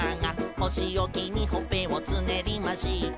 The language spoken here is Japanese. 「おしおきにほっぺをつねりました」